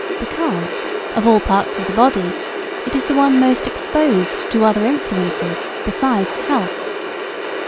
Because, of all parts of the body, it is the one most exposed to other influences, besides health.